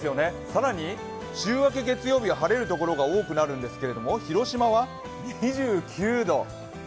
更に、週明け月曜日は晴れる所が多くなるんですけれども、広島は２９度。